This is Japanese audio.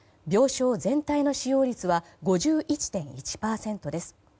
病床全体の使用率は５１．１％です。